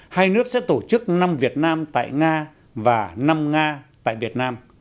hai nước sẽ tổ chức năm việt nam tại nga và năm nga tại việt nam